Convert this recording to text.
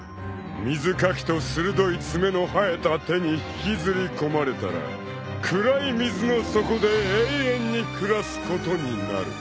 ［水かきと鋭い爪の生えた手に引きずり込まれたら暗い水の底で永遠に暮らすことになる］